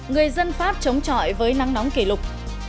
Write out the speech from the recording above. người dân pháp chống chọi với nắng nóng kỷ lục